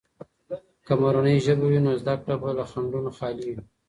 که مورنۍ ژبه وي، نو زده کړه به له خنډونو خالي وي.